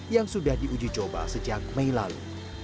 yang sudah diuji coba sejak mei lalu